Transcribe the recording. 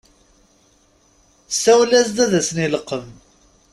Sawel-as-d ad asen-ileqqem.